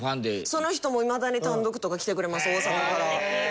その人もいまだに単独とか来てくれます大阪から。